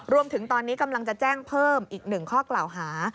รวมถึงตอนนี้กำลังจะแจ้งเพิ่มอีก๑ข้อกล่าวหา